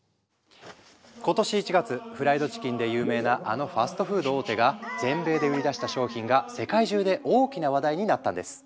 今年１月フライドチキンで有名なあのファストフード大手が全米で売り出した商品が世界中で大きな話題になったんです。